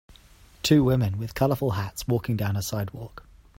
Two women with colorful hats walking down a sidewalk.